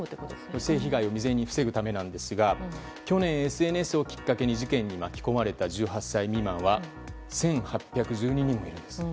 性被害を未然に防ぐためなんですが去年、ＳＮＳをきっかけに事件に巻き込まれた１８歳未満は１８１２人もいるんです。